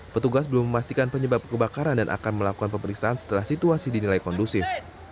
petugas belum memastikan penyebab kebakaran dan akan melakukan pemeriksaan setelah situasi dinilai kondusif